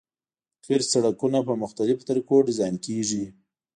قیر سرکونه په مختلفو طریقو ډیزاین کیږي